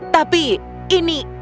tapi ini mengejutkan